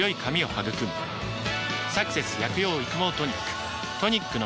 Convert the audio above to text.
「サクセス薬用育毛トニック」